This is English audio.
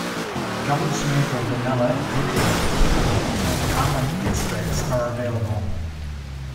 Gums made with vanilla, coconut, peppermint, and almond extracts are available.